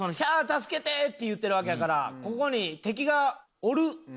助けてー！」って言うてるわけやからここに敵がおる。